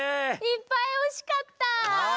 いっぱいおしかった。